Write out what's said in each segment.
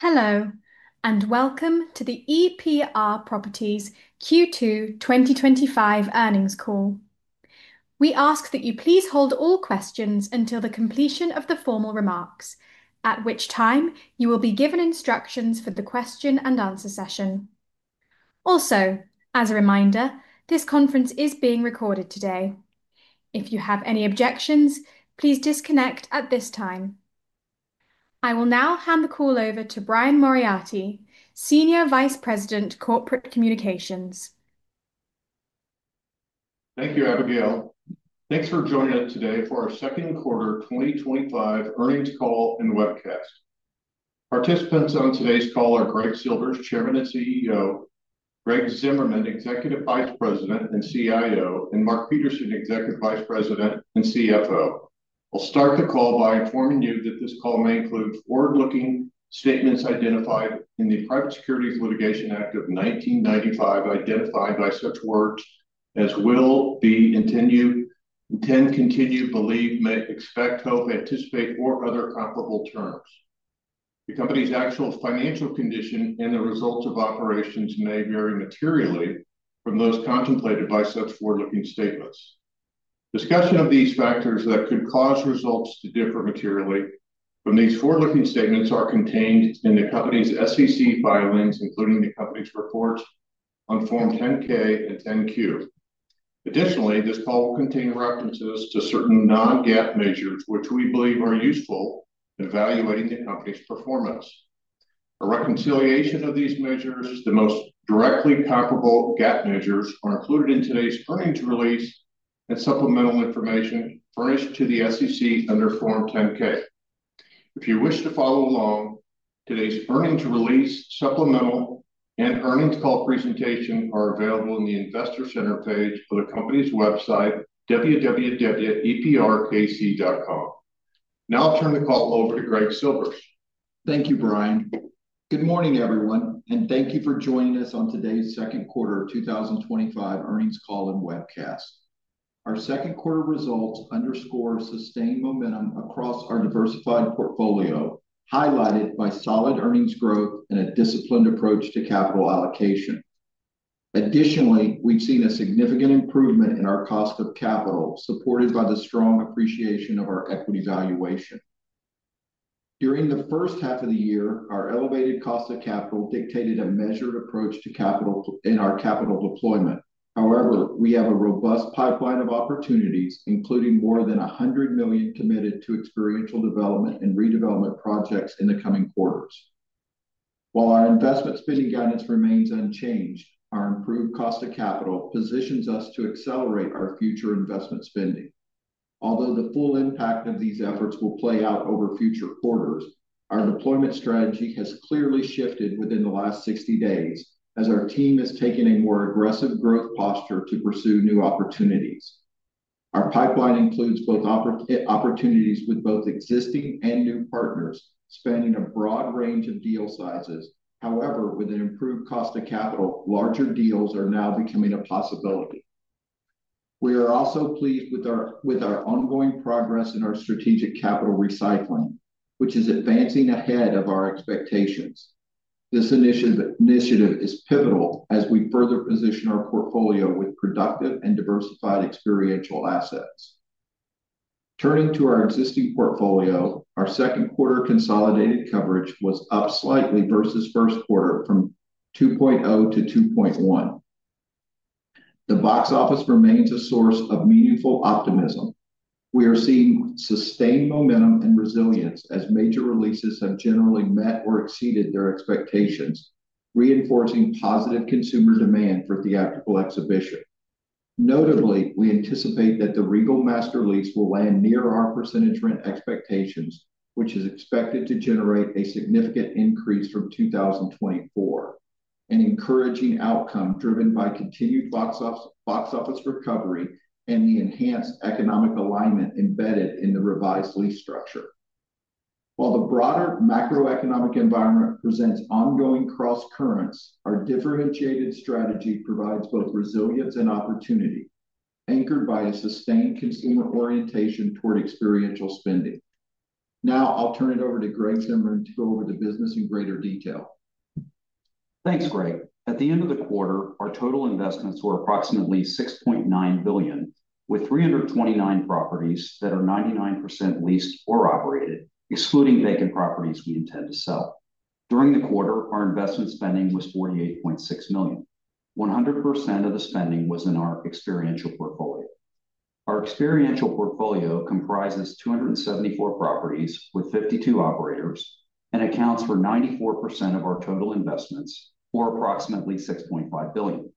Hello and welcome to the EPR Properties Q2 2025 earnings call. We ask that you please hold all questions until the completion of the formal remarks, at which time you will be given instructions for the question and answer session. Also, as a reminder, this conference is being recorded today. If you have any objections, please disconnect at this time. I will now hand the call over to Brian Moriarty, Senior Vice President, Corporate Communications. Thank you, Abigail. Thanks for joining us today for our second quarter 2025 earnings call and webcast. Participants on today's call are Greg Silvers, Chairman and CEO, Greg Zimmerman, Executive Vice President and CIO, and Mark Peterson, Executive Vice President and CFO. I'll start the call by informing you that this call may include forward-looking statements identified in the Private Securities Litigation Act of 1995, identified by such words as will be, intend, continue, believe, may, expect, hope, anticipate, or other comparable terms. The Company's actual financial condition and the results of operations may vary materially from those contemplated by such forward-looking statements. Discussion of these factors that could cause results to differ materially from these forward-looking statements are contained in the Company's SEC filings, including the Company's reports on Form 10-K and 10-Q. Additionally, this call will contain references to certain non-GAAP measures which we believe are useful in evaluating the Company's performance. A reconciliation of these measures to the most directly comparable GAAP measures are included in today's earnings release and supplemental information furnished to the SEC under Form 10-K. If you wish to follow along, today's earnings release, supplemental, and earnings call presentation are available in the Investor Center page of the Company's website, www.eprkc.com. Now I'll turn the call over to Greg Silvers. Thank you, Brian. Good morning, everyone, and thank you for joining us on today's Second Quarter 2025 earnings call and webcast. Our second quarter results underscore sustained momentum across our diversified portfolio, highlighted by solid earnings growth and a disciplined approach to capital allocation. Additionally, we've seen a significant improvement in our cost of capital, supported by the strong appreciation of our equity valuation during the first half of the year. Our elevated cost of capital dictated a measured approach to capital in our capital deployment. However, we have a robust pipeline of opportunities, including more than $100 million committed to experiential development and redevelopment projects in the coming quarters. While our investment spending guidance remains unchanged, our improved cost of capital positions us to accelerate our future investment spending. Although the full impact of these efforts will play out over future quarters, our deployment strategy has clearly shifted within the last 60 days as our team is taking a more aggressive growth posture to pursue new opportunities. Our pipeline includes both opportunities, with both existing and new partners, spanning a broad range of deal sizes. However, with an improved cost of capital, larger deals are now becoming a possibility. We are also pleased with our ongoing progress in our strategic capital recycling, which is advancing ahead of our expectations. This initiative is pivotal as we further position our portfolio with productive and diversified experiential assets. Turning to our existing portfolio, our second quarter consolidated coverage was up slightly versus first quarter from 2.0 to 2.1. The box office remains a source of meaningful optimism. We are seeing sustained momentum and resilience as major releases have generally met or exceeded their expectations, reinforcing positive consumer demand for theatrical exhibition. Notably, we anticipate that the Regal Master Lease will land near our percentage rent expectations, which is expected to generate a significant increase from 2024, an encouraging outcome driven by continued box office recovery and the enhanced economic alignment embedded in the revised lease structure. While the broader macroeconomic environment presents ongoing cross currents, our differentiated strategy provides both resilience and opportunity, anchored by a sustained consumer orientation toward experiential spending. Now I'll turn it over to Greg Zimmerman to go over the business in greater detail. Thanks, Greg. At the end of the quarter, our total investments were approximately $6.9 billion, with 329 properties that are 99% leased or operated, excluding vacant properties we intend to sell. During the quarter, our investment spending was $48.6 million. 100% of the spending was in our experiential portfolio. Our experiential portfolio comprises 274 properties with 52 operators and accounts for 94% of our total investments, or approximately $6.5 billion.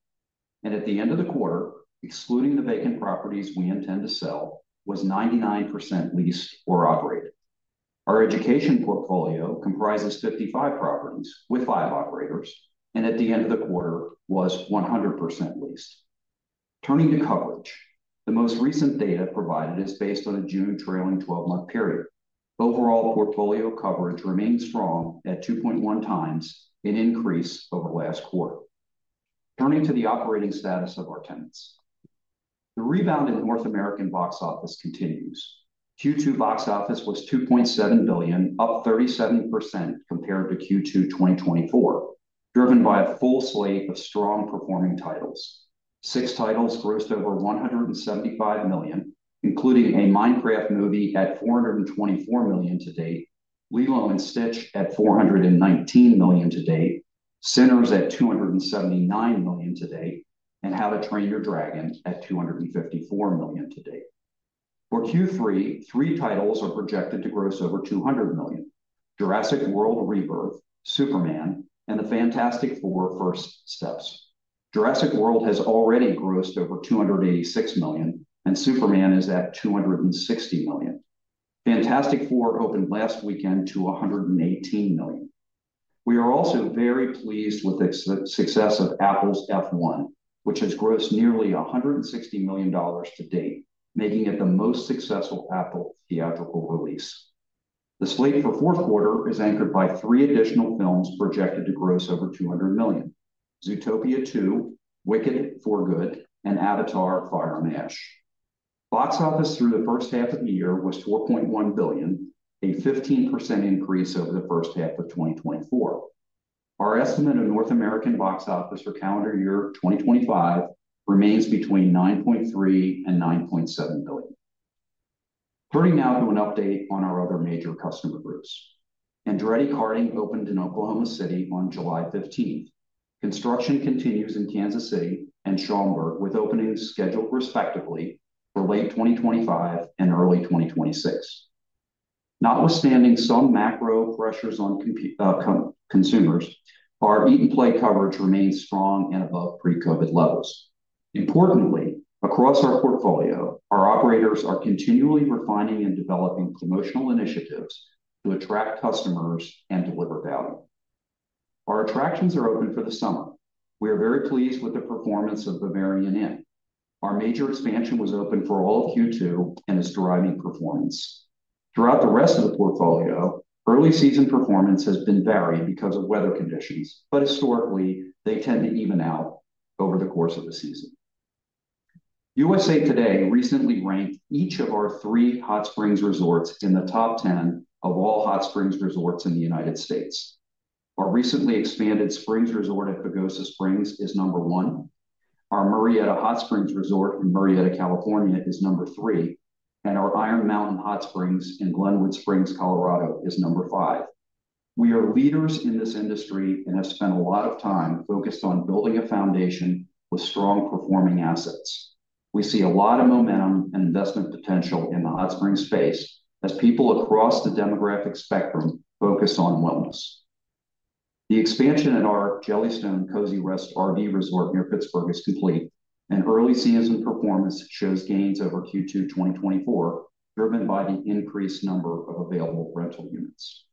At the end of the quarter, excluding the vacant properties we intend to sell, it was 99% leased or operated. Our education portfolio comprises 55 properties with five operators and at the end of the quarter was 100% leased. Turning to coverage, the most recent data provided is based on a June trailing twelve month period. Overall portfolio coverage remains strong at 2.1 times, an increase over last quarter. Turning to the operating status of our tenants, the rebound in North American box office continues. Q2 box office was $2.7 billion, up 37% compared to Q2 2024, driven by a full slate of strong performing titles. Six titles grossed over $175 million, including a Minecraft movie at $424 million to date, Lilo and Stitch at $419 million to date, Sinners at $279 million to date, and How to Train Your Dragon at $254 million to date. For Q3, three titles are projected to gross over $200 million: Jurassic World Rebirth, Superman, and The Fantastic Four: First Steps. Jurassic World has already grossed over $286 million and Superman is at $260 million. Fantastic Four opened last weekend to $118 million. We are also very pleased with the success of Apple’s F1, which has grossed nearly $160 million to date, making it the most successful Apple theatrical release. The slate for fourth quarter is anchored by three additional films projected to gross over $200 million: Zootopia 2, Wicked for Good, and Avatar: Fire on Ash. Box office through the first half of the year was $4.1 billion, a 15% increase over the first half of 2024. Our estimate of North American box office for calendar year 2025 remains between $9.3 and $9.7 billion. Turning now to an update on our other major customer groups, Andretti Karting opened in Oklahoma City on July 15th. Construction continues in Kansas City and Schaumburg with openings scheduled respectively for late 2025 and early 2026. Notwithstanding some macro pressures on consumers, our eat and play coverage remains strong and above pre-COVID levels. Importantly, across our portfolio, our operators are continually refining and developing promotional initiatives to attract customers and deliver value. Our attractions are open for the summer. We are very pleased with the performance of Bavarian Innovation. Our major expansion was open for all of Q2 and is driving performance throughout the rest of the portfolio. Early season performance has been varied because of weather conditions, but historically they tend to even out over the course of the season. USA today recently ranked each of our three hot springs resorts in the top 10 of all hot springs resorts in the United States. Our recently expanded Springs Resort at Pagosa Springs is number one, our Murrieta Hot Springs Resort in Murrieta, California is number three, and our Iron Mountain Hot Springs in Glenwood Springs, Colorado is number five. We are leaders in this industry and have spent a lot of time focused on building a foundation with strong performing assets. We see a lot of momentum and investment potential in the hot springs space as people across the demographic spectrum focus on wellness. The expansion at our Jellystone Cozy Rest RV Resort near Pittsburgh is complete and early season performance shows gains over Q2 2024 driven by the increased number of available rental units.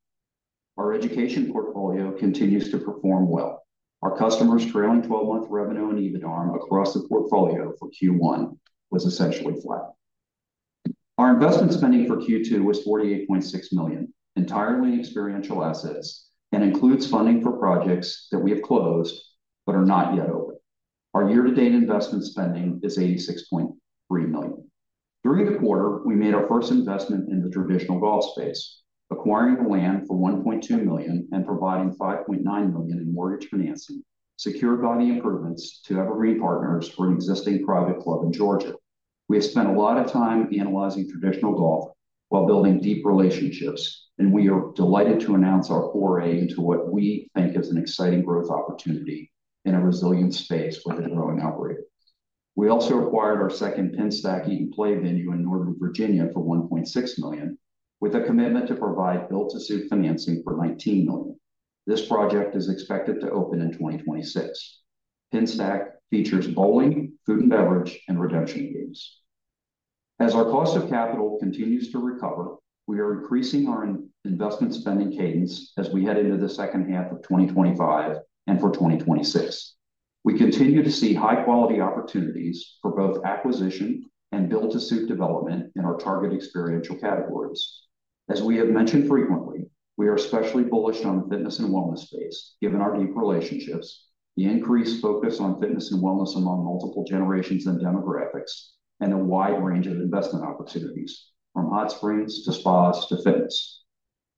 Our education portfolio continues to perform well. Our customers' trailing 12 month revenue and EBITDAre across the portfolio for Q1 was essentially flat. Our investment spending for Q2 was $48.6 million, entirely in experiential assets and includes funding for projects that we have closed but are not yet open. Our year to date investment spending is $86.3 million. During the quarter, we made our first investment in the traditional golf space, acquiring the land for $1.2 million and providing $5.9 million in mortgage financing secured by the improvements to Evergreen Partners for an existing private club in Georgia. We have spent a lot of time analyzing traditional golf while building deep relationships and we are delighted to announce our foray into what we think is an exciting growth opportunity in a resilient space with a growing outlook. We also acquired our second PINSTACK Eat and Play venue in Northern Virginia for $1.6 million with a commitment to provide build to suit financing for $19 million. This project is expected to open in 2026. PINSTACK features bowling, food and beverage, and redemption games. As our cost of capital continues to recover, we are increasing our investment spending cadence as we head into the second half of 2025 and for 2026, we continue to see high quality opportunities for both acquisition and build to suit development in our target experiential categories. As we have mentioned frequently, we are especially bullish on the fitness and wellness space given our deep relationships, the increased focus on fitness and wellness among multiple generations and demographics, and a wide range of investment opportunities from hot springs to spas to fitness.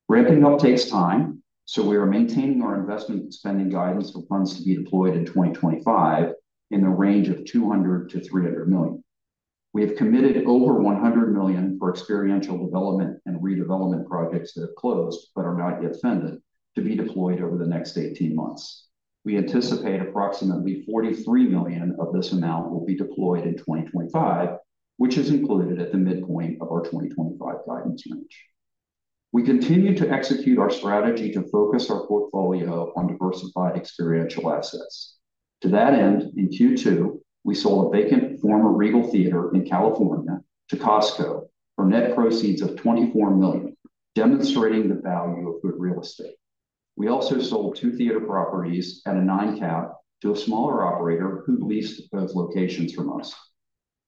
Ramping up takes time, so we are maintaining our investment spending guidance for funds to be deployed in 2025 in the range of $200 million-$300 million. We have committed over $100 million for experiential development and redevelopment projects that have closed but are not yet funded to be deployed over the next 18 months. We anticipate approximately $43 million of this amount will be deployed in 2025, which is included at the midpoint of our 2025 guidance range. We continue to execute our strategy to focus our portfolio on diversified experiential assets. To that end, in Q2, we sold a vacant former Regal Theater in California to Costco for net proceeds of $24 million, demonstrating the value of good real estate. We also sold two theater properties at a 9% cap to a smaller operator who leased both locations from us.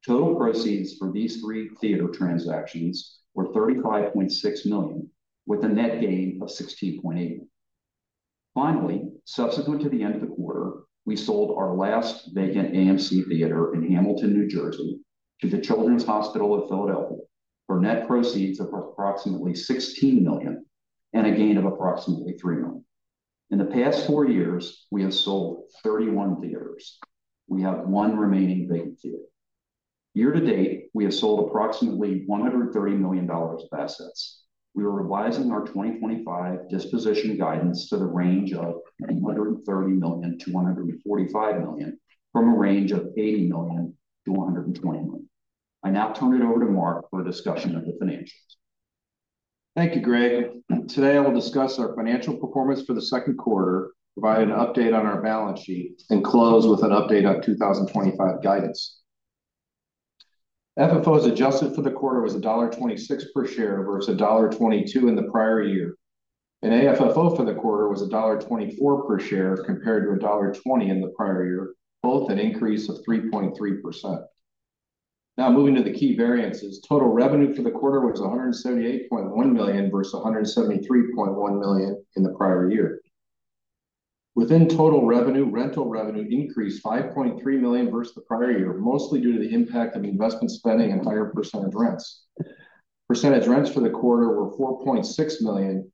Total proceeds for these three theater transactions were $35.6 million with a net gain of $16.8 million. Finally, subsequent to the end of the quarter, we sold our last vacant AMC theater in Hamilton, New Jersey to the Children’s Hospital of Philadelphia for net proceeds of approximately $16 million and a gain of approximately $3 million. In the past four years, we have sold 31 theaters. We have one remaining vacant field. Year to date we have sold approximately $130 million of assets. We are revising our 2025 disposition guidance to the range of $130 million-$145 million, from a range of $80 million-$120 million. I now turn it over to Mark for a discussion of the financials. Thank you, Greg. Today I will discuss our financial performance for the second quarter, provide an update on our balance sheet, and close with an update on 2025 guidance. FFO as adjusted for the quarter was $1.26 per share versus $1.22 in the prior year, and AFFO for the quarter was $1.24 per share compared to $1.20 in the prior year, both an increase of 3.3%. Now moving to the key variances, total revenue for the quarter was $178.1 million versus $173.1 million in the prior year. Within total revenue, rental revenue increased $5.3 million versus the prior year, mostly due to the impact of investment spending and higher percentage rents. Percentage rents for the quarter were $4.6 million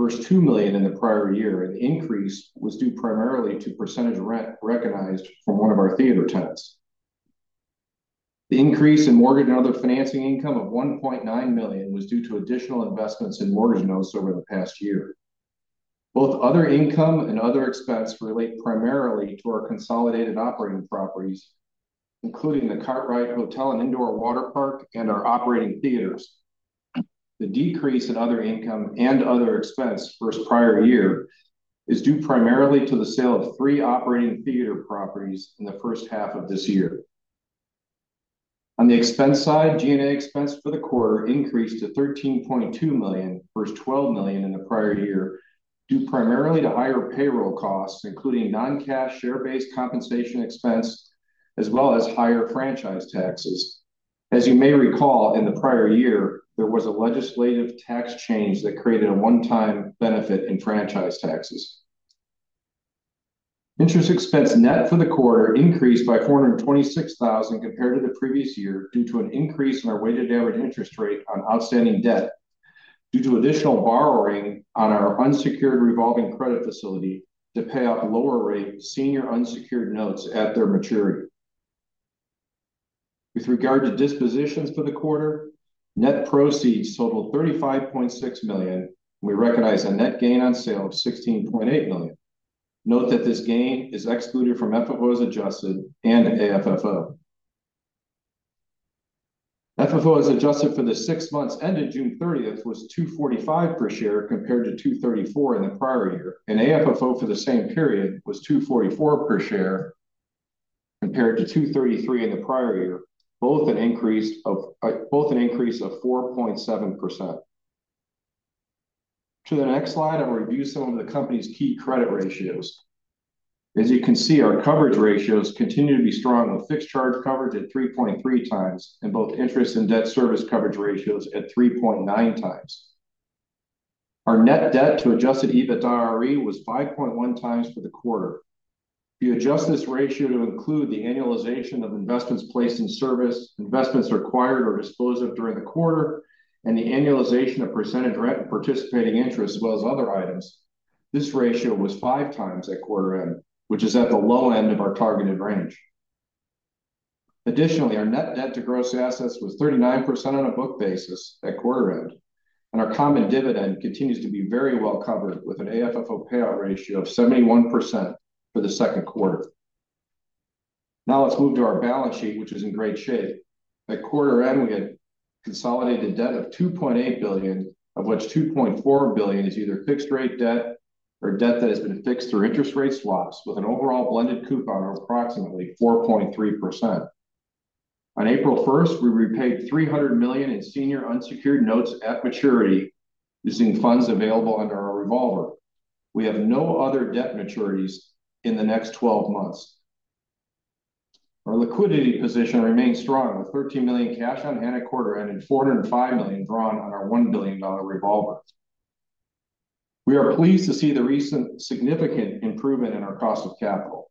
versus $2 million in the prior year, and the increase was due primarily to percentage rent recognized from one of our theater tenants. The increase in mortgage and other financing income of $1.9 million was due to additional investments in mortgage notes over the past year. Both other income and other expense relate primarily to our consolidated operating properties, including the Cartwright Hotel and Indoor Water Park and our operating theaters. The decrease in other income and other expense versus the prior year is due primarily to the sale of three operating theater properties in the first half of this year. On the expense side, G&A expense for the quarter increased to $13.2 million versus $12 million in the prior year, due primarily to higher payroll costs, including non-cash share-based compensation expense as well as higher franchise taxes. As you may recall, in the prior year there was a legislative tax change that created a one-time benefit in franchise taxes. Interest expense, net, for the quarter increased by $426,000 compared to the previous year due to an increase in our weighted average interest rate on outstanding debt due to additional borrowing on our unsecured revolving credit facility to pay off lower rate senior unsecured notes at their maturity. With regard to dispositions for the quarter, net proceeds totaled $35.6 million. We recognized a net gain on sale of $16.8 million. Note that this gain is excluded from FFO as adjusted and AFFO. FFO as adjusted for the six months ended June 30th was $2.45 per share compared to $2.34 in the prior year, and AFFO for the same period was $2.44 per share compared to $2.33 in the prior year, both an increase of 4.7%. To the next slide, I will review some of the company's key credit ratios. As you can see, our coverage ratios continue to be strong with fixed charge coverage at 3.3 times and both interest and debt service coverage ratios at 3.9 times. Our net debt to adjusted EBITDAre was 5.1 times for the quarter. You adjust this ratio to include the annualization of investments placed in service, investments acquired or disposed of during the quarter, and the annualization of percentage rent, participating interest, as well as other items. This ratio was 5 times at quarter end, which is at the low end of our targeted range. Additionally, our net debt to gross assets was 39% on a book basis at quarter end and our common dividend continues to be very well covered with an AFFO payout ratio of 71% for the second quarter. Now let's move to our balance sheet, which is in great shape. At quarter end, we had consolidated debt of $2.8 billion, of which $2.4 billion is either fixed rate debt or debt that has been fixed through interest rate swaps with an overall blended coupon of approximately 4.3%. On April 1, we repaid $300 million in senior unsecured notes at maturity using funds available under our revolver. We have no other debt maturities in the next 12 months. Our liquidity position remains strong with $13 million cash on hand at quarter end and $405 million drawn on our $1 billion revolver. We are pleased to see the recent significant improvement in our cost of capital.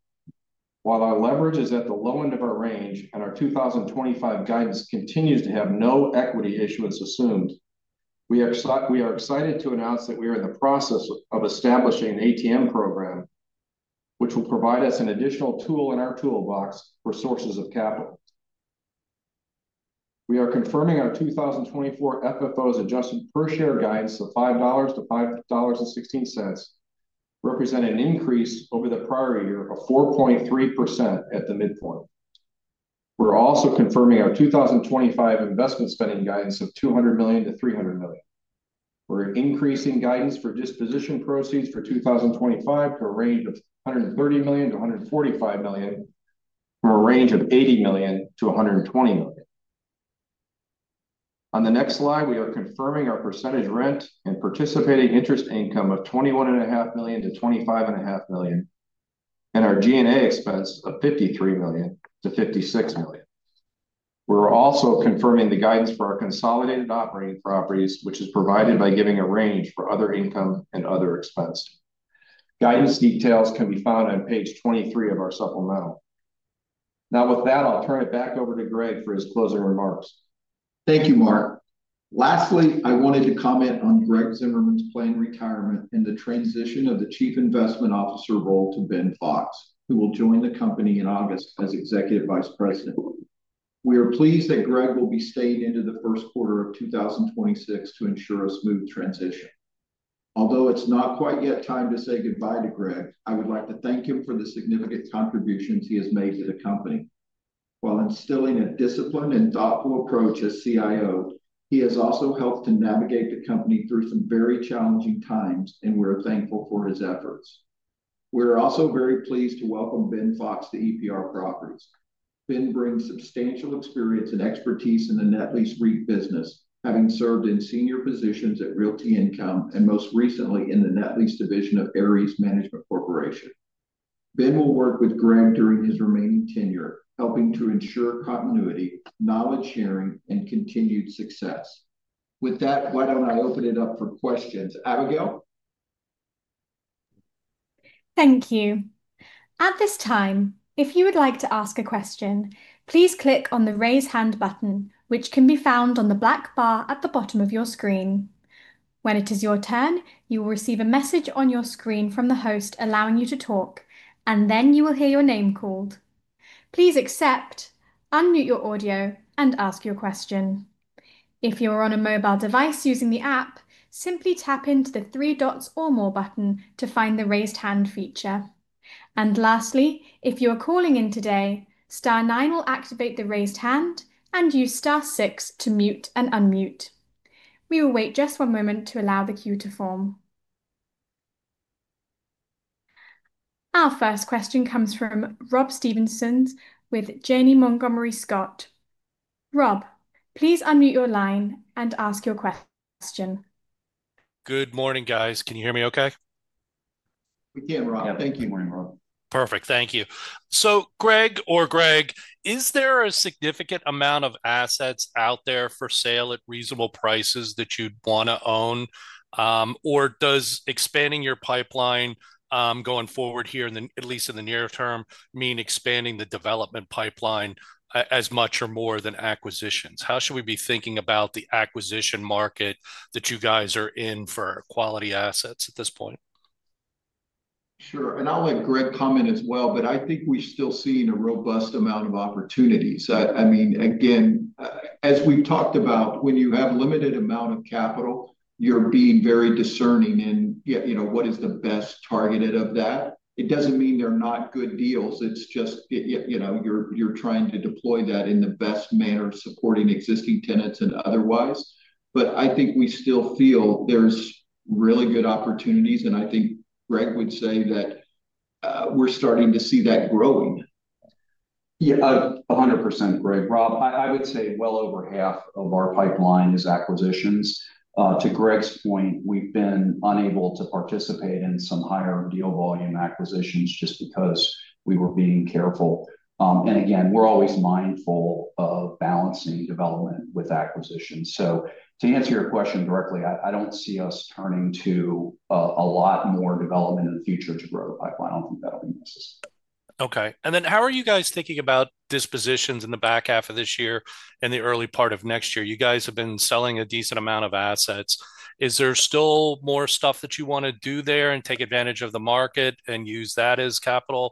While our leverage is at the low end of our range and our 2025 guidance continues to have no equity issuance assumed, we are excited to announce that we are in the process of establishing an ATM program, which will provide us an additional tool in our toolbox for sources of capital. We are confirming our 2024 FFO as adjusted per share guidance of $5.00- $5.16, representing an increase over the prior year of 4.3%. At the midpoint, we're also confirming our 2025 investment spending guidance of $200 million-$300 million. We're increasing guidance for disposition proceeds for 2025 to a range of $130 million-$145 million, from a range of $80 million-$120 million. On the next slide, we are confirming our percentage rent and participating interest income of $21.5 million-$25.5 million and our G&A expense of $53 million- $56 million. We're also confirming the guidance for our consolidated operating properties, which is provided by giving a range for other income and other expenses. Guidance details can be found on page 23 of our supplemental. Now with that, I'll turn it back over to Greg for his closing remarks. Thank you, Mark. Lastly, I wanted to comment on Greg Zimmerman's planned retirement and the transition of the Chief Investment Officer role to Ben Fox, who will join the company in August as Executive Vice President. We are pleased that Greg will be staying into the first quarter of 2026 to ensure a smooth transition. Although it's not quite yet time to say goodbye to Greg, I would like to thank him for the significant contributions he has made to the company. While instilling a disciplined and thoughtful approach as CIO, he has also helped to navigate the company through some very challenging times, and we're thankful for his efforts. We're also very pleased to welcome Ben Fox to EPR Properties. Ben brings substantial experience and expertise in the net lease REIT business, having served in senior positions at Realty Income and most recently in the Net Lease division of Ares Management Corporation. Ben will work with Greg during his remaining tenure, helping to ensure continuity, knowledge sharing, and continued success. With that, why don't I open it up for questions? Abigail? Thank you. At this time, if you would like to ask a question, please click on the Raise hand button, which can be found on the black bar at the bottom of your screen. When it is your turn, you will receive a message on your screen from the host allowing you to talk, and then you will hear your name called. Please accept, unmute your audio, and ask your question. If you're on a mobile device using the app, simply tap into the three dots or more button to find the raised hand feature. Lastly, if you are calling in today, star nine will activate the raised hand and use star 6 to mute and unmute. We will wait just one moment to allow the queue to form. Our first question comes from Rob Stevenson with Janney Montgomery Scott. Rob, please unmute your line and ask your question. Good morning, guys. Can you hear me okay? We can, Rob. Thank you. Thank you. Greg or Greg, is there a significant amount of assets out there for sale at reasonable prices that you'd want to own? Does expanding your pipeline going forward here, at least in the near term, mean expanding the development pipeline as much or more than acquisitions? How should we be thinking about the acquisition market that you guys are in for quality assets at this point? Sure. I'll let Greg comment as well. I think we're still seeing a robust amount of opportunities. As we've talked about, when you have a limited amount of capital, you're being very discerning, and yet, you know, what is the best targeted of that? It doesn't mean they're not good deals. You're trying to deploy that in the best manner, supporting existing tenants and otherwise. I think we still feel there's really good opportunities, and I think Greg would say that we're starting to see that growing. Yeah, 100%.Greg. Rob, I would say well over half of our pipeline is acquisitions. To Greg's point, we've been unable to participate in some higher deal volume acquisitions just because we were being careful. We're always mindful of balancing development with acquisitions. To answer your question directly, I don't see us turning to a lot more development in the future to grow the pipeline. I don't think that'll be necessary. Okay, and then how are you guys thinking about dispositions in the back half of this year and the early part of next year? You guys have been selling a decent amount of assets. Is there still more stuff that you want to do there and take advantage of the market and use that as capital,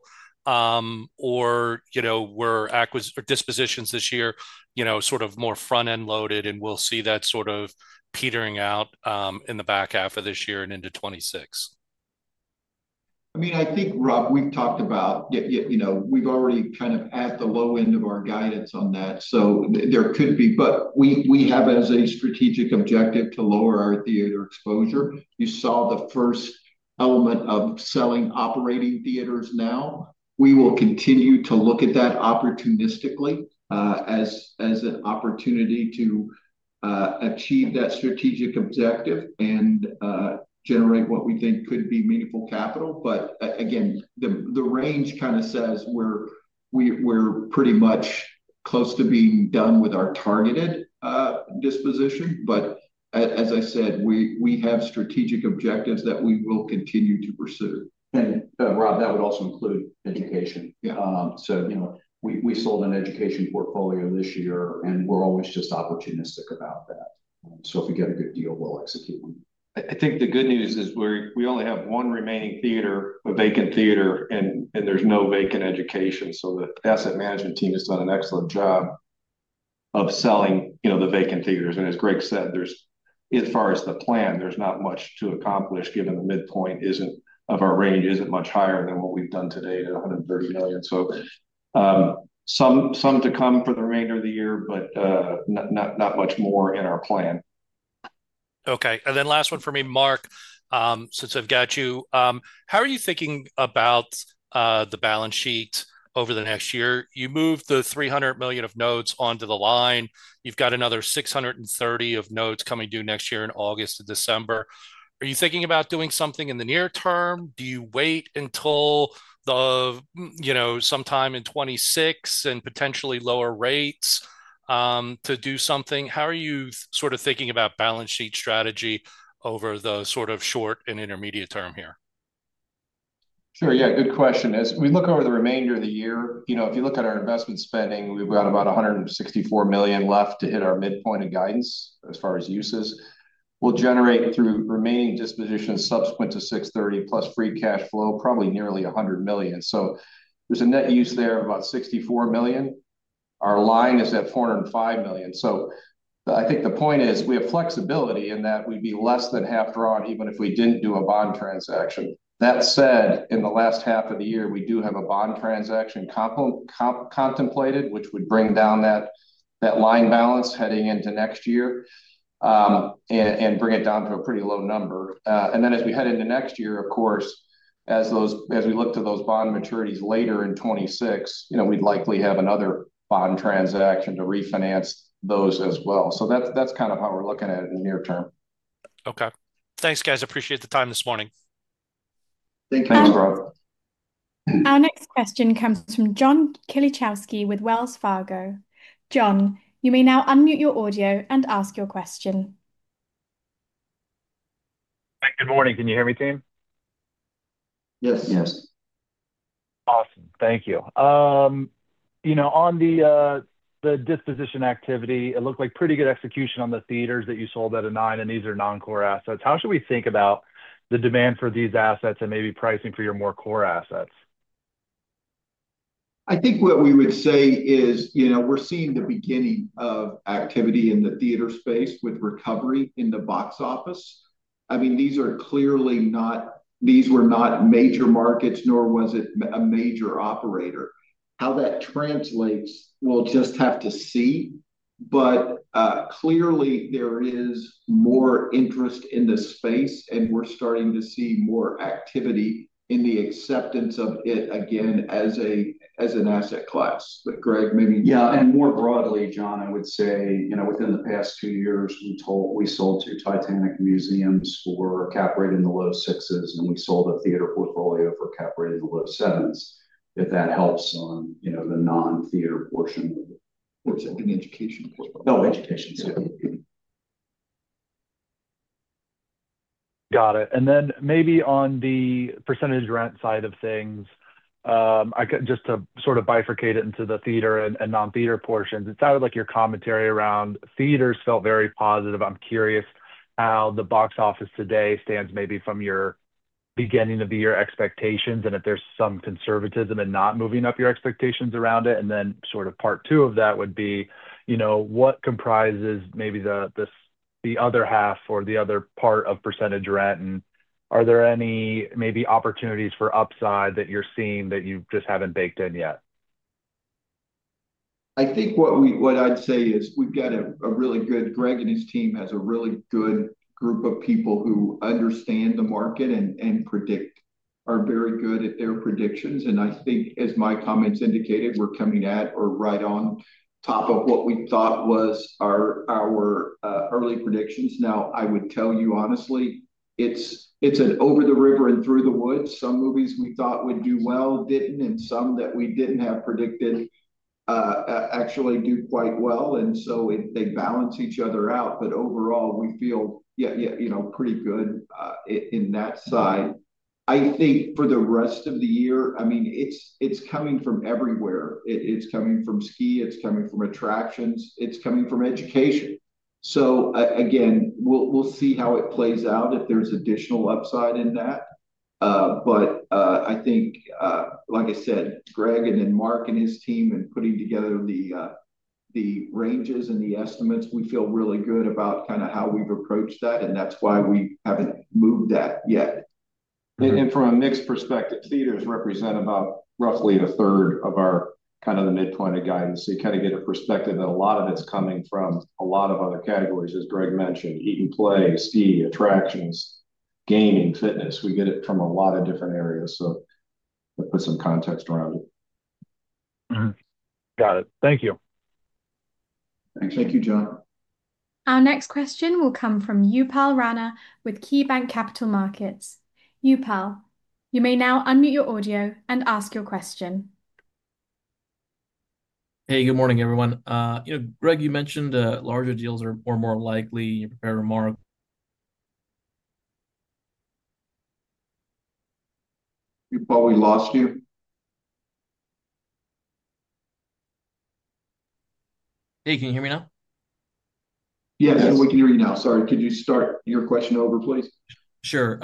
or, you know, were acquisition dispositions this year, you know, sort of more front end loaded and we'll see that sort of petering out in the back half of this year and into 2026. I think, Rob, we've talked about, you know, we're already kind of at the low end of our guidance on that. There could be, but we have as a strategic objective to lower our theater exposure. You saw the first element of selling operating theaters. We will continue to look at that opportunistically as an opportunity to achieve that strategic objective and generate what we think could be meaningful capital. The range kind of says we're pretty much close to being done with our targeted disposition. As I said, we have strategic objectives that we will continue to pursue. Rob, that would also include education. You know, we sold an education portfolio this year and we're always just opportunistic about that. If we get a good deal, we'll execute. I think the good news is we only have one remaining theater, a vacant theater, and there's no vacant education. The asset management team has done an excellent job of selling the vacant theaters. As Greg said, as far as the plan, there's not much to accomplish given the midpoint of our range isn't much higher than what we've done today at $130 million. Tom, some to come for the remainder of the year, but not much more in our plan. Okay, and then last one for me, Mark, since I've got you, how are you thinking about the balance sheet over the next year? You move the $300 million of notes onto the line, you've got another $630 million of notes coming due next year in August and December. Are you thinking about doing something in the near term? Do you wait until sometime in 2026 and potentially lower rates to do something? How are you sort of thinking about balance sheet strategy over the sort of short and intermediate term here? Sure, yeah. Good question. As we look over the remainder of the year, if you look at our investment spending, we've got about $164 million left to hit our midpoint of guidance. As far as uses, we'll generate through remaining dispositions subsequent to 6/30, plus free cash flow, probably nearly $100 million. There's a net use there of about $64 million. Our line is at $405 million. I think the point is we have flexibility in that. We'd be less than half drawn even if we didn't do a bond transaction. That said, in the last half of the year, we do have a bond transaction contemplated which would bring down that line balance heading into next year and bring it down to a pretty low number. As we head into next year, of course, as we look to those bond maturities later in 2026, we'd likely have another bond transaction to refinance those as well. That's kind of how we're looking at it in the near term. Okay, thanks guys. Appreciate the time this morning. Thank you. Our next question comes from John Kilichowski with Wells Fargo. John, you may now unmute your audio and ask your question. Good morning. Can you hear me, team? Yes. Yes. Awesome. Thank you. On the disposition activity, it looked like pretty good execution on the theaters that you sold at a 9. These are non-core assets. How should we think about the demand for these assets and maybe pricing for your more core assets? I think what we would say is, you know, we're seeing the beginning of activity in the theater space with recovery in the box office. These are clearly not, these were not major markets nor was it a major operator. How that translates we'll just have to see. Clearly there is more interest in this space and we're starting to see more activity in the acceptance of it again as an asset class. Greg, maybe. Yeah, and more broadly, John, I would say, you know, within the past two years we sold two Titanic museums for cap rate in the low 6% and we sold a theater portfolio for cap rate in the low 7%, if that helps on, you know, the non-theater portion. No education. Got it. Maybe on the percentage rent side of things, just to sort of bifurcate it into the theater and non-theater portions. It sounded like your commentary around theaters felt very positive. I'm curious how the box office today stands maybe from your beginning of the year expectations, and if there's some conservatism in not moving up your expectations around it. Part two of that would be, you know, what comprises maybe the other half or the other part of percentage rent, and are there any opportunities for upside that you're seeing that you just haven't baked in yet? I think what I'd say is we've got a really good, Greg and his team has a really good group of people who understand the market and are very good at their predictions. I think as my comments indicated, we're coming at or right on top of what we thought was our early predictions. I would tell you honestly, it's an over the river and through the woods. Some movies we thought would do well didn't and some that we didn't have predicted actually do quite well, and they balance each other out. Overall we feel, yeah, you know, pretty good in that side, I think for the rest of the year. I mean it's coming from everywhere. It's coming from ski, it's coming from attractions, it's coming from education. Again, we'll see how it plays out if there's additional upside in that. I think like I said, Greg and then Mark and his team in putting together the ranges and the estimates, we feel really good about kind of how we've approached that and that's why we haven't moved that yet. From a mixed perspective, theaters represent about roughly a third of our kind of the midpoint of guidance. You kind of get a perspective that a lot of it's coming from a lot of other categories, as Greg mentioned: eat and play, ski, attractions, gaming, fitness. We get it from a lot of different areas, so put some context around it. Got it. Thank you. Thanks. Thank you, John. Our next question will come from Upal Rana with KeyBanc Capital Markets. Upal, you may now unmute your audio and ask your question. Hey, good morning, everyone. You know, Greg, you mentioned larger deals are more likely prepared remark probably lost you. Hey, can you hear me now? Yes, we can hear you now. Sorry, could you start your question over, please? Sure.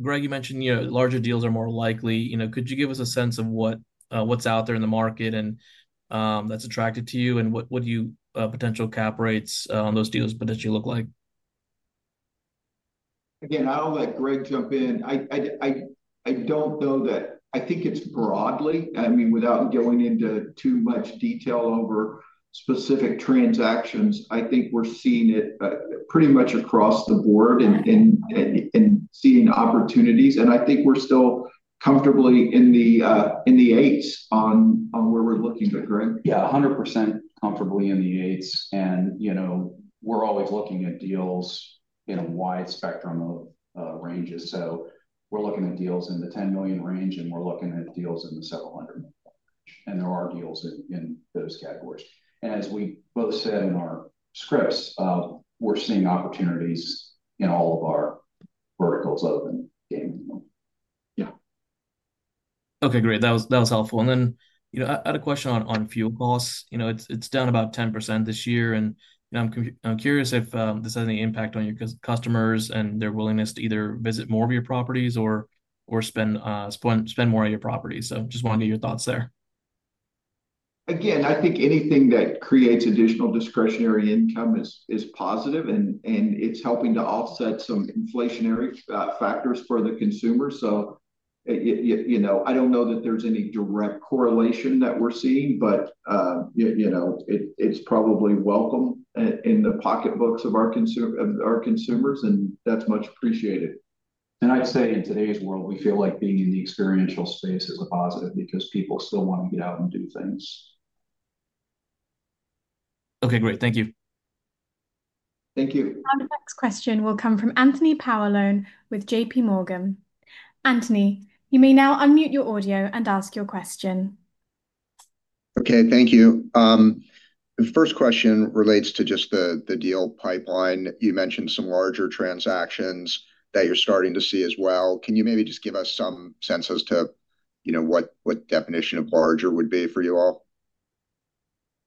Greg, you mentioned larger deals are more likely. Could you give us a sense of what's out there in the market that's attracted to you and what potential cap rates on those deals potentially look like? Again, I'll let Greg jump in. I don't know that I think it's broadly, I mean, without going into too much detail over specific transactions, I think we're seeing it pretty much across the board and seeing opportunities. I think we're still comfortably in the eights on where we're looking to Greg. Yeah, 100% comfortably in the eights. We're always looking at deals in a wide spectrum of ranges. We're looking at deals in the $10 million range and we're looking at deals in the several hundred, and there are deals in those categories. As we both said in our scripts, we're seeing opportunities in all of our verticals. Open gaming. Yeah. Okay, great. That was helpful. I had a question on fuel costs. It's down about 10% this year, and I'm curious if this has any impact on your customers and their willingness to either visit more of your properties or spend more at your properties. Just want to get your thoughts there. I think anything that creates additional discretionary income is positive and it's helping to offset some inflationary factors for the consumer. I don't know that there's any direct correlation that we're seeing, but it's probably welcome in the pocketbooks of our consumers. That's much appreciated. In today's world, we feel like being in the experiential space is a positive because people still want to get out and do things. Okay, great. Thank you. Thank you. Next question will come from Anthony Paolone with JPMorgan. Anthony, you may now unmute your audio and ask your question. Okay, thank you. The first question relates to just the deal pipeline. You mentioned some larger transactions that you're starting to see as well. Can you maybe just give us some sense as to, you know, what definition of larger would be for you all?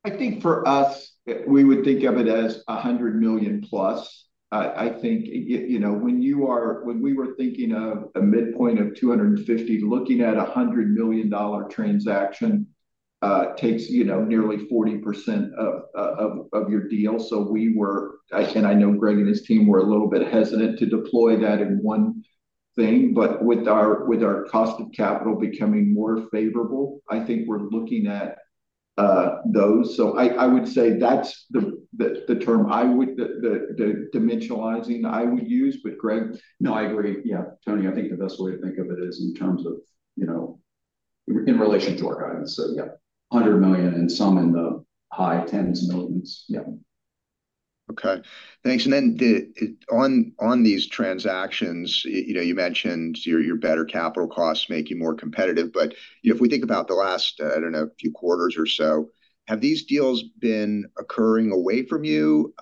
I think for us we would think of it as $100 million plus. I think when we were thinking of a midpoint of $250 million, looking at a $100 million transaction takes nearly 40% of your deal. We were, and I know Greg and his team were a little bit hesitant to deploy that in one thing, but with our cost of capital becoming more favorable, I think we're looking at those. I would say that's the term I would dimensionalizing I would use. But Greg. No, I agree. Yeah, Tony, I think the best way to think of it is in terms of, you know, in relation to our guidance. $100 million and some in the high tens of millions. Yeah. Okay, thanks. On these transactions, you mentioned your better capital costs make you more competitive. If we think about the last, I don't know, few quarters or so, have these deals been occurring away from you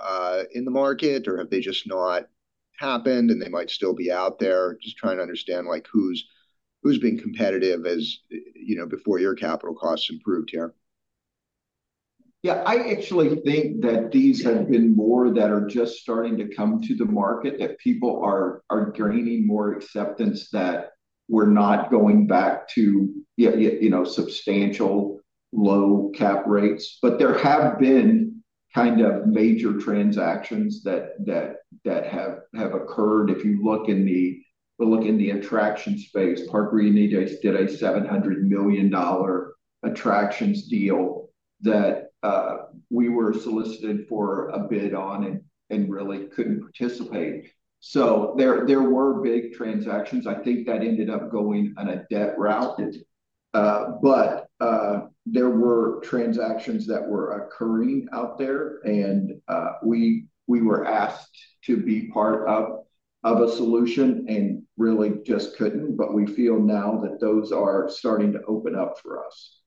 in the market or have they just not happened and they might still be out there? Just trying to understand like who's being competitive, as you know, before your capital costs improved here. Yeah, I actually think that these have been more that are just starting to come to the market, that people are gaining more acceptance that we're not going back to, you know, substantial low cap rates. There have been kind of major transactions that have occurred. If you look in the attraction space, Parques Reunidos did a $700 million attractions deal that we were solicited for a bid on and really couldn't participate. There were big transactions I think that ended up going on a debt route, but there were transactions that were occurring out there and we were asked to be part of a solution and really just couldn't. We feel now that those are starting to open up for us.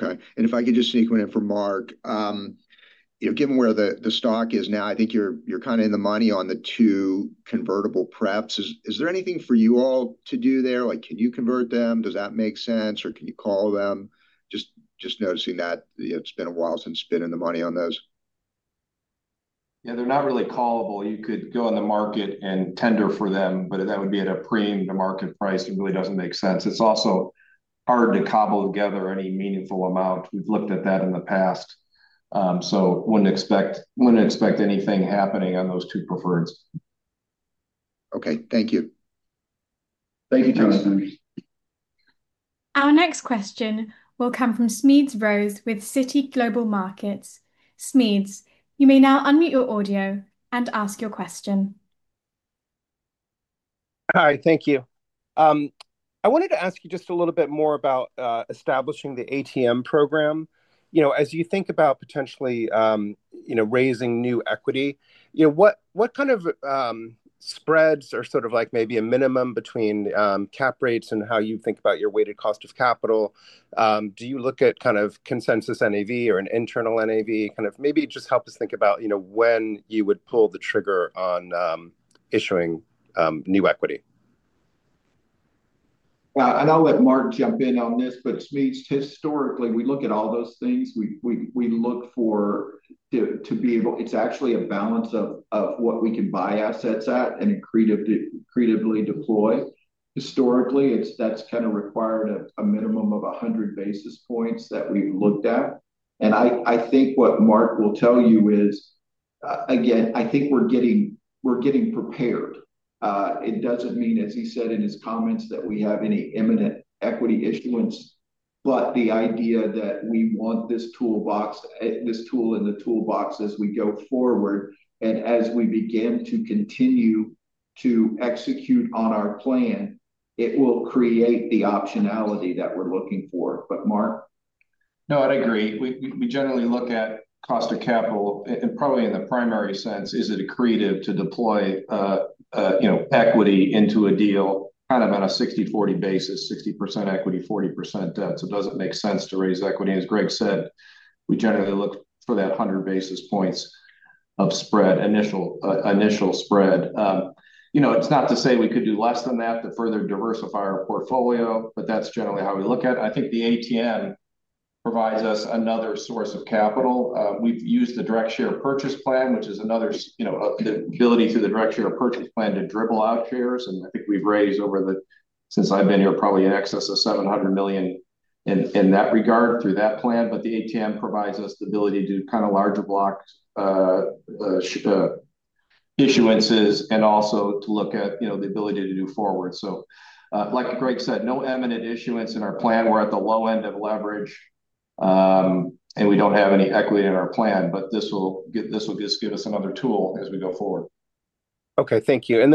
Okay. If I could just sequence for Mark, given where the stock is now, I think you're kind of in the money on the two convertible preferred. Is there anything for you all to do there? Like can you convert them? Does that make sense or can you call them? Just noticing that it's been a while since spending the money on those. Yeah, they're not really callable. You could go on the market and tender for them, but that would be at a premium to market price. It really doesn't make sense. It's also hard to cobble together any meaningful amount. We've looked at that in the past, so wouldn't expect anything happening on those two preferreds. Okay, thank you. Thank you, Thomas. Our next question will come from Smedes Rose with Citi. Smedes, you may now unmute your audio and ask your question. Hi. Thank you. I wanted to ask you just a little bit more about establishing the ATM program. As you think about potentially raising new equity, what kind of spreads are sort of like maybe a minimum between cap rates and how you think about your weighted cost of capital? Do you look at kind of consensus NAV or an internal NAV? Maybe just help us think about when you would pull the trigger on issuing new equity. I'll let Mark jump in on this, but historically we look at all those things. We look for, to be able, it's actually a balance of what we can buy assets at and accretively deploy. Historically, that's kind of required a minimum of 100 basis points that we've looked at. I think what Mark will tell you is, again, I think we're getting prepared. It doesn't mean, as he said in his comments, that we have any imminent equity issuance. The idea is that we want this tool in the toolbox as we go forward and as we begin to continue to execute on our plan, it will create the optionality that we're looking for. But Mark. No, I'd agree. We generally look at cost of capital and probably in the primary sense, is it accretive to deploy equity into a deal kind of on a 60% equity, 40% debt basis. Does it make sense to raise equity? As Greg said, we generally look for that 100 basis points of spread. Initial. Initial spread. It's not to say we could do less than that to further diversify our portfolio, but that's generally how we look at it. I think the ATM provides us another source of capital. We've used the direct share purchase plan, which is another, you know, the ability to, the direct share purchase plan to dribble out shares. I think we've raised over, since I've been here, probably in excess of $700 million in that regard through that plan. The ATM provides us the ability to do kind of larger block issuances and also to look at the ability to do forward. Like Greg said, no imminent issuance in our plan. We're at the low end of leverage and we don't have any equity in our plan. This will just give us another tool as we go forward. Okay, thank you. I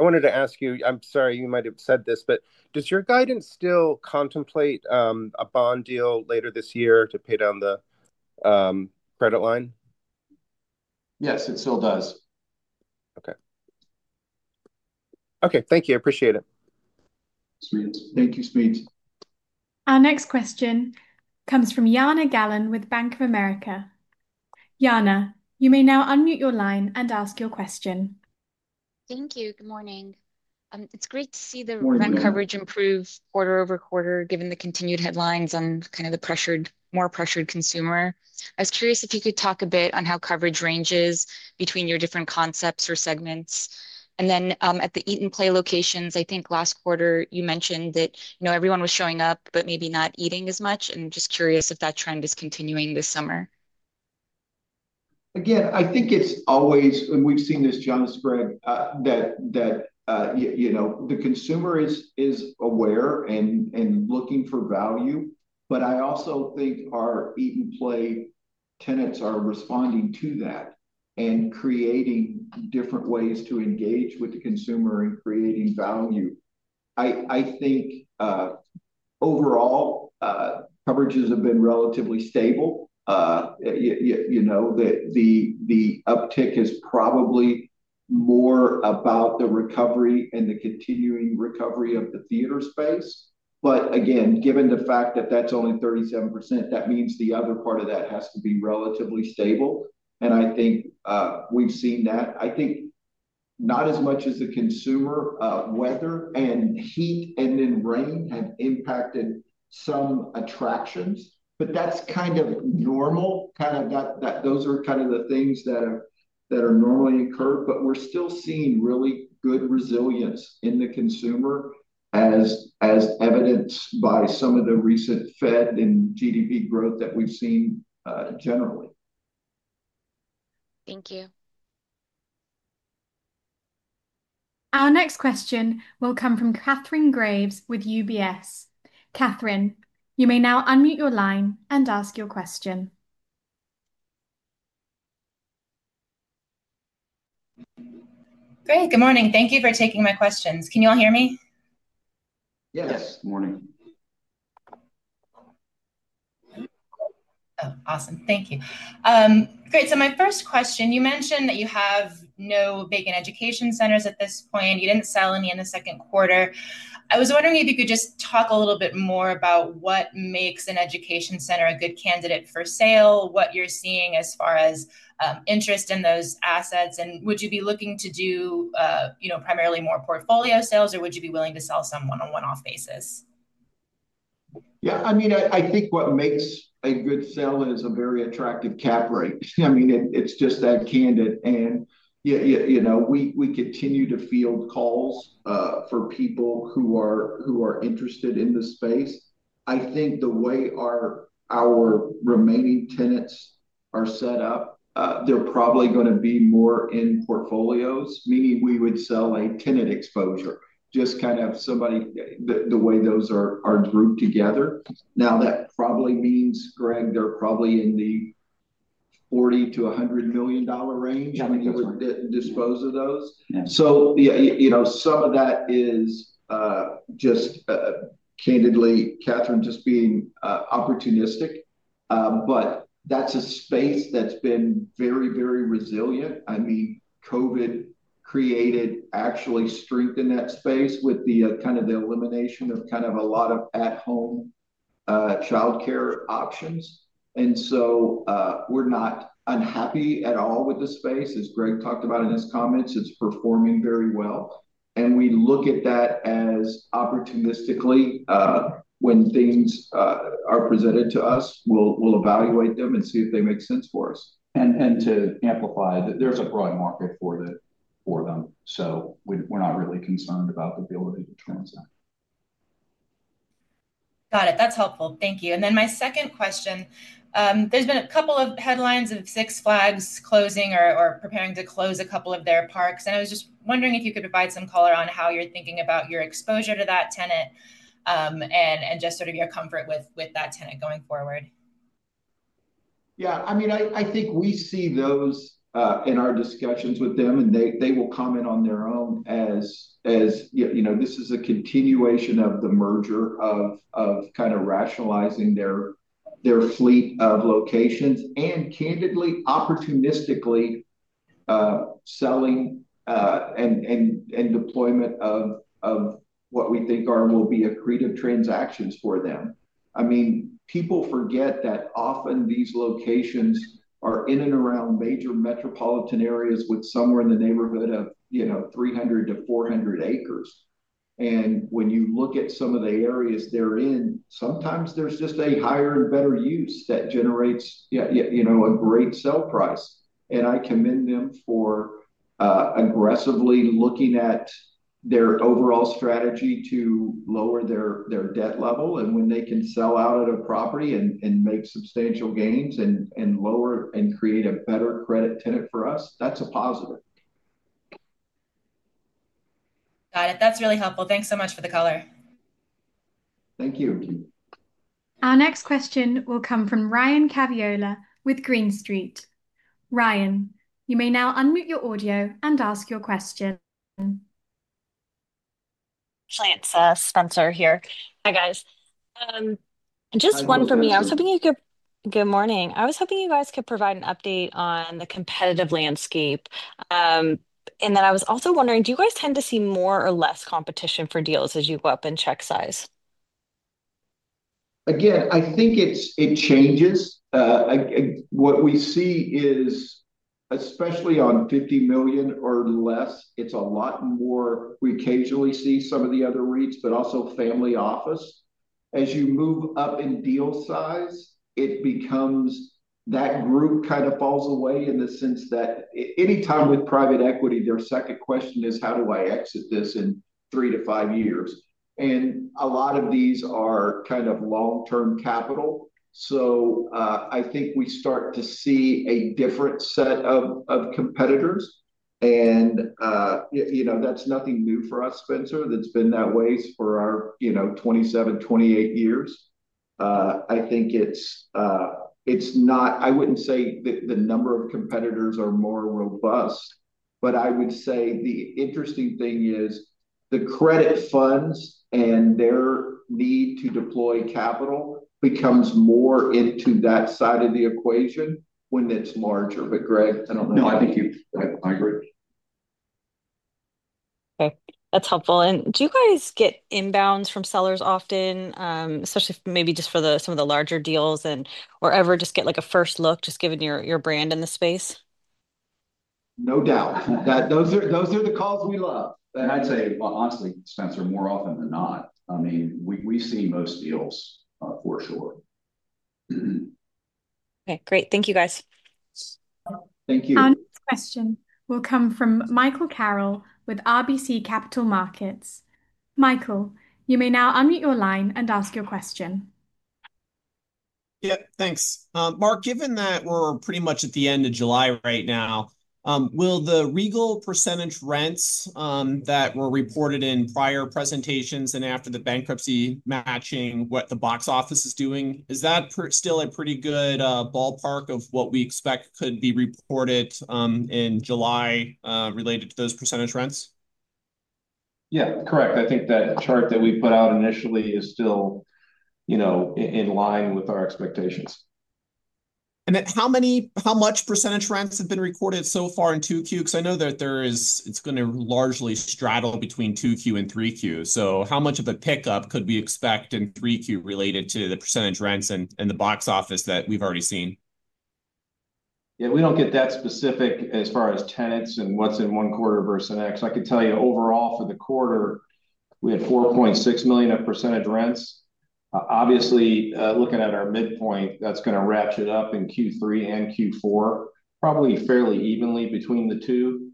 wanted to ask you, I'm sorry you might have said this, but does your guidance still contemplate a bond deal later this year to pay down the credit line? Yes, it still does. Okay. Okay. Thank you. I appreciate it. Thank you. Sweet. Our next question comes from Jana Galan with Bank of America. Yana, you may now unmute your line and ask your question. Thank you. Good morning. It's great to see the event coverage improve quarter over quarter. Given the continued headlines on kind of the pressured, more pressured consumer, I was curious if you could talk a bit on how coverage ranges between your different concepts or segments. At the eat and play locations, I think last quarter you mentioned that, you know, everyone was showing up but maybe not eating as much. I am just curious if that trend is continuing this summer. Again, I think it's always, and we've seen this, that, you know, the consumer is aware and looking for value. I also think our eat and play tenants are responding to that and creating different ways to engage with the consumer and creating value. I think overall coverages have been relatively stable. The uptick is probably more about the recovery and the continuing recovery of the theater space. Given the fact that that's only 37%, that means the other part of that has to be relatively stable, and I think we've seen that. I think not as much as the consumer. Weather and heat and then rain have impacted some attractions, but that's kind of normal, those are kind of the things that are normally incurred. We're still seeing really good resilience in the consumer as evidenced by some of the recent Fed and GDP growth that we've seen generally. Thank you. Our next question will come from Catherine Graves with UBS. Catherine, you may now unmute your line and ask your question. Great. Good morning. Thank you for taking my questions. Can you all hear me? Yes. Good morning. Awesome. Thank you. Great. My first question, you mentioned that you have no vacant early childhood education center properties at this point. You didn't sell any in the second quarter. I was wondering if you could just talk a little bit more about what makes an early childhood education center property a good candidate for sale, what you're seeing as far as interest in those assets, and would you be looking to do primarily more portfolio sales or would you be willing to sell some on a one-off basis? Yeah, I mean I think what makes a good sell is a very attractive cap rate. I mean it's just that candid. We continue to field calls for people who are interested in the space. I think the way our remaining tenants are set up, they're probably going to be more in portfolios, meaning we would sell a tenant exposure. The way those are grouped together now, that probably means, Greg, they're probably in the $40 million-$100 million range when you would dispose of those. Yeah, some of that is just candidly, Catherine, just being opportunistic. That's a space that's been very, very resilient. I mean Covid created actually strength in that space with the elimination of a lot of at-home child care options. We're not unhappy at all with the space. As Greg talked about in his comments, it's performing very well and we look at that as opportunistically. When things are presented to us, we'll evaluate them and see if they. Make sense for us and to amplify that there's a broad market for them. We're not really concerned about the ability to transact. Got it. That's helpful, thank you. My second question, there's been a couple of headlines of Six Flags closing or preparing to close a couple of their parks. I was just wondering if you could provide some color on how you're thinking about your exposure to that tenant and just sort of your comfort with that tenant going forward. Yeah, I mean, I think we see those in our discussions with them, and they will comment on their own. As you know, this is a continuation of the merger of kind of rationalizing their fleet of locations. Candidly, opportunistically selling and deployment of what we think are, will be accretive transactions for them. I mean, people forget that often these locations are in and around major metropolitan. Areas with somewhere in the neighborhood of 300-400 acres. When you look at some of the areas they're in, sometimes there's just a higher and better use that generates a great sell price. I commend them for aggressively looking at their overall strategy to lower their debt level. When they can sell out at a property and make substantial gains and lower and create a better credit tenant for us, that's a positive. Got it. That's really helpful. Thanks so much for the color. Thank you. Our next question will come from Ryan Caviola with Green Street. Ryan, you may now unmute your audio and ask your question. Actually, it's Spencer here. Hi guys. Just one for me. I was hoping you could. Good morning. I was hoping you guys could provide an update on the competitive landscape. I was also wondering, do you guys tend to see more or less competition for deals as you go up in check size. Again, I think it changes. What we see is, especially on $50 million or less, it's a lot more. We occasionally see some of the other REITs, but also family office. As you move up in deal size, that group kind of falls away in the sense that anytime with private equity, their second question is how do I exit this? In three to five years, a lot of these are kind of long term capital. I think we start to see a different set of competitors. That's nothing new for us, Spencer. That's been that way for our 27, 28 years. I think it's not, I wouldn't say that the number of competitors are more robust, but I would say the interesting thing is the credit funds and their need to deploy capital becomes more into that side of the equation when it's larger. Greg, I don't know. I think you. I agree. Okay, that's helpful. Do you guys get inbounds from sellers often, especially maybe just for some of the larger deals, or ever just get like a first look just given your brand in the space? Those are the calls we love. I'd say honestly, Spencer, more often than not, we see most deals for sure. Okay, great. Thank you, guys. Thank you. Our next question will come from Michael Carroll with RBC Capital Markets. Michael, you may now unmute your line and ask your question. Yep. Thanks, Mark. Given that we're pretty much at the end of July right now, will the Regal percentage rents that were reported in prior presentations and after the bankruptcy, matching what the box office is doing, is that still a pretty good ballpark of what we expect could be reported in July related to those percentage rents? Yeah, correct. I think that chart that we put out initially is still in line with our expectations. How many, how much percentage rents have been recorded so far in 2Q? I know that it's going to largely straddle between 2Q and 3Q. How much of a pickup could we expect in 3Q related to the percentage rents and the box office that we've already seen? Yeah, we don't get that specific. As far as tenants and what's in one quarter versus the next, I could tell you overall. Overall, for the quarter, we had $4.6 million of percentage rents. Obviously, looking at our midpoint, that's going to ratchet up in Q3 and Q4, probably fairly evenly between the two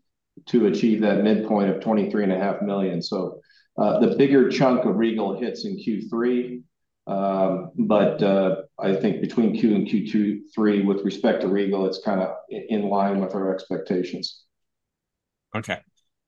to achieve that midpoint of $23.5 million. The bigger chunk of Regal hits in Q3, but I think between Q2 and Q3 with respect to Regal, it's kind of in line with our expectations. Okay,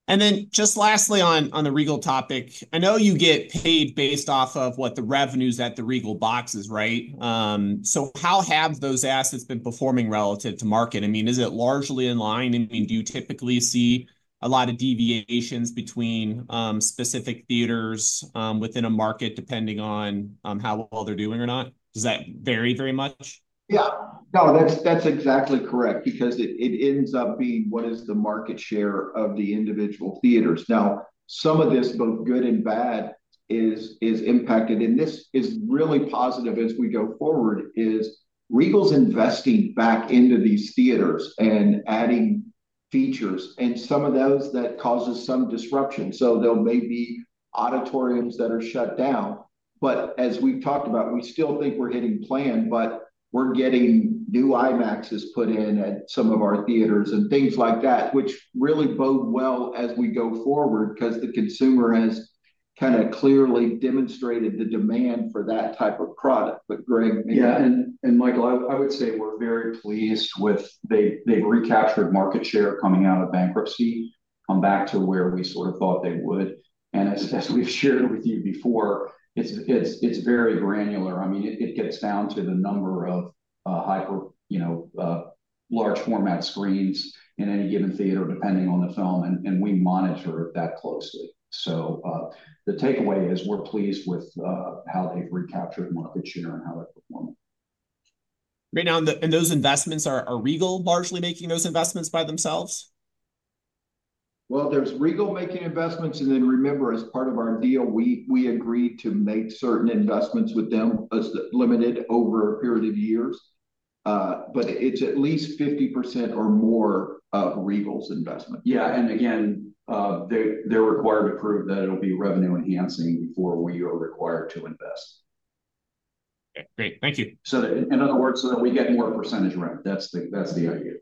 and then just lastly on the Regal topic, I know you get paid based off of what the revenues at the Regal boxes. Right. How have those assets been performing relative to market? Is it largely in line? Do you typically see a lot of deviations between specific theaters within a market, depending on how well they're doing or not? Does that vary very much? Yeah, no, that's exactly correct because it ends up being what is the market share of the individual theaters. Now, some of this, both good and bad, is impacted. This is really positive as we go forward, as Regal is investing back into these theaters and adding features, and some of those cause some disruption. There may be auditoriums that are shut down, but as we talked about, we still think we're hitting plan. We're getting new IMAXes put in at some of our theaters and things like that, which really bode well as we go forward because the consumer has kind of clearly demonstrated the demand for that type of product. But Greg. Yeah, Michael, I would say we're very pleased with how they've recaptured market share coming out of bankruptcy, come back to where we sort of thought they would. As we've shared with you before, it's very granular. It gets down to the number of hyper, you know, large format screens in any given theater depending on the film, and we monitor that closely. The takeaway is we're pleased with how they've recaptured market share and how. Are Regal largely making those investments by themselves? Regal is making investments, and then remember, as part of our deal, we agreed to make certain investments with them as limited over a period of years, but it's at least 50% or more of Regal's investment. Yeah. They're required to prove that it'll be revenue enhancing before we are required to invest. Great, thank you. In other words, we get more percentage rent. That's the idea.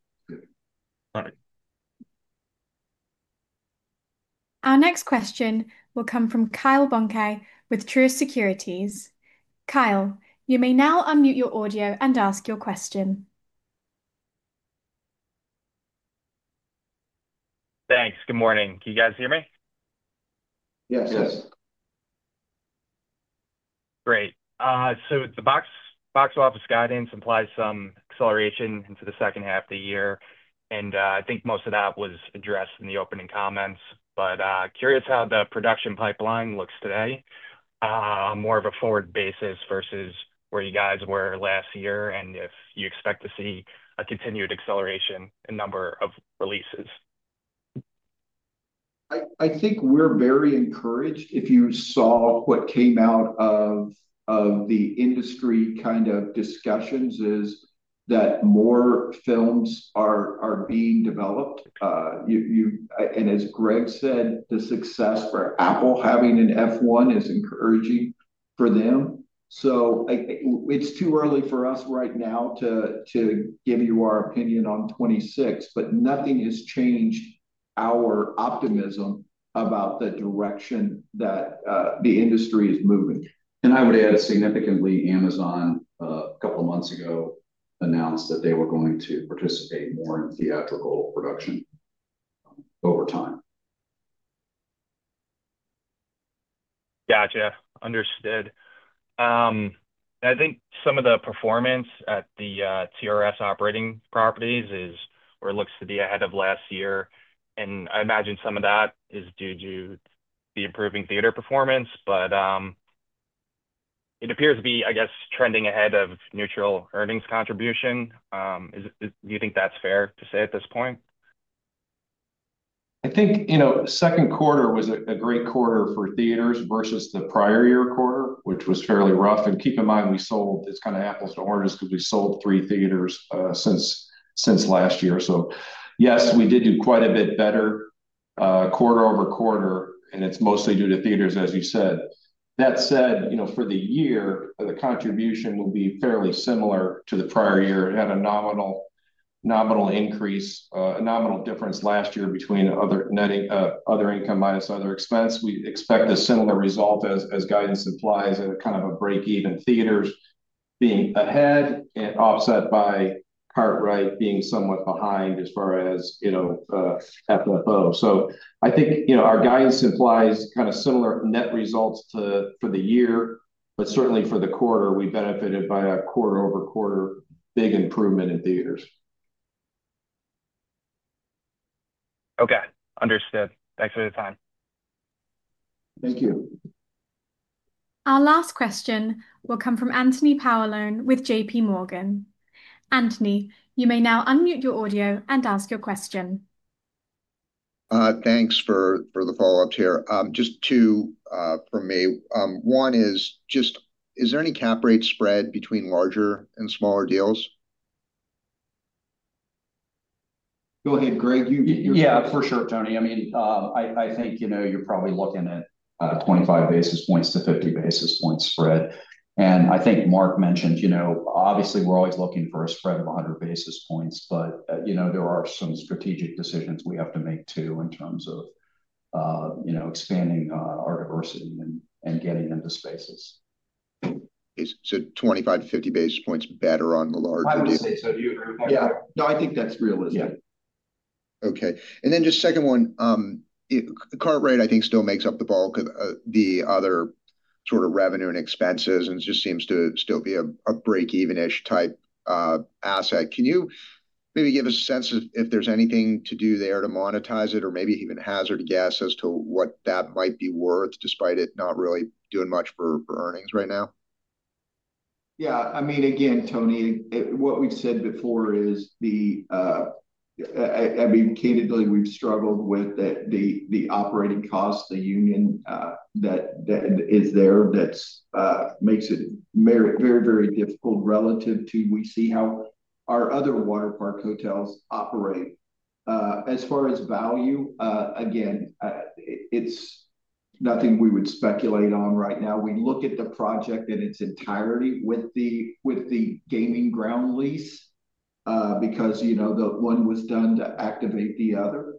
Good. Our next question will come from Kyle Bonke with Truist Securities. Kyle, you may now unmute your audio and ask your question. Thanks. Good morning. Can you guys hear me? Yes. The box office guidance implies some acceleration into the second half of the year. I think most of that was addressed in the opening comments. Curious how the production pipeline looks today, more on a forward basis versus where you guys were last year, and if you expect to see a continued acceleration in number of releases. I. Think we're very encouraged. If you saw what came out of the industry discussions, more films are being developed and as Greg said, the success for Apple’s F1 is encouraging for them. It's too early for us right now to give you our opinion on 2026, but nothing has changed our optimism about the direction that the industry is moving. I would add significantly, Amazon a couple of months ago announced that they were going to participate more in theatrical production over time. Gotcha. Understood. I think some of the performance at the TRS operating properties is or looks to be ahead of last year. I imagine some of that is due to the improving theater performance. It appears to be, I guess, trending ahead of neutral earnings contribution. Do you think that's fair to say at this point? I think second quarter was a great quarter for theaters versus the prior year quarter, which was fairly rough. Keep in mind it's kind of apples to oranges because we sold three theaters since last year. Yes, we did do quite a bit better quarter over quarter, and it's mostly due to theaters, as you said. That said, for the year the contribution will be fairly similar to the prior year. It had a nominal increase, a nominal difference last year between other income minus other expense. We expect a similar result as guidance implies and kind of a break even, theaters being ahead and offset by Cartwright being somewhat behind as far as, you know, FFO. I think our guidance implies kind of similar net results for the year, but certainly for the quarter we benefited by a quarter over quarter big improvement in theaters. Okay, understood. Thanks for the time. Thank you. Our last question will come from Anthony Paolone with JPMorgan. Anthony, you may now unmute your audio and ask your question. Thanks for the follow ups. Here, just two for me. One is just, is there any cap rate spread between larger and smaller deals? Go ahead, Greg. Yeah, for sure, Tony. I mean, I think you're probably looking at 25 basis points to 50 basis points spread, and I think Mark mentioned, obviously we're always looking for a spread of 100 basis points, but there are some strategic decisions we have to make too in terms of expanding our diversity and getting into spaces. Twenty-five to fifty basis points better on the large, I would say so. Do you agree with that? Yeah, no, I think that's realistic. Okay. Just second one, Cartwright I think still makes up the bulk of the other sort of revenue and expenses and just seems to still be a break even-ish type asset. Can you maybe give us a sense of if there's anything to do there to monetize it or maybe even hazard a guess as to what that might be worth despite it not really doing much for earnings right now? Yeah, I mean again, Tony, what we've said before is, candidly, we've struggled with the operating costs, the union that is there that makes it very, very difficult relative to how we see our other water park hotels operate as far as value. Again, it's nothing we would speculate on right now. We look at the project in its entirety with the gaming ground lease because, you know, the one was done to activate the other.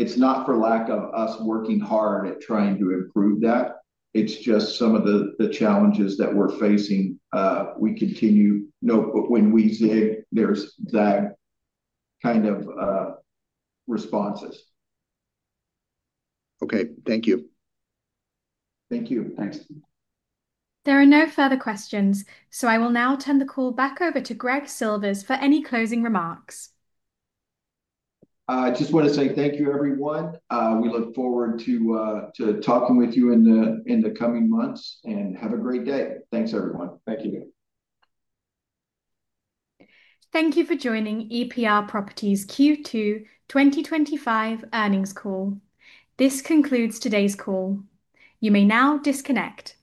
It's not for lack of us working hard at trying to improve that. It's just some of the challenges that we're facing. We continue to note when we zig, there's zag kind of responses. Okay, thank you. Thank you. Thanks. There are no further questions, so I will now turn the call back over to Greg Silvers for any closing remarks. I just want to say thank you, everyone. We look forward to talking with you in the coming months, and have a great day. Thanks, everyone. Thank you. Thank you for joining EPR Properties Q2 2025 earnings call. This concludes today's call. You may now disconnect.